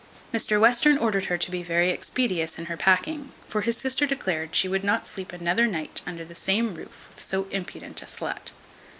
Mr Western ordered her to be very expeditious in packing; for his sister declared she would not sleep another night under the same roof with so impudent a slut.